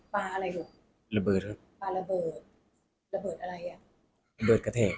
ปลาระเบิดครับ